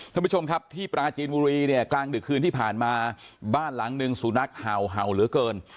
ท่านผู้ชมครับที่ปราจีนบุรีเนี่ยกลางดึกคืนที่ผ่านมาบ้านหลังหนึ่งสุนัขเห่าเหลือเกิน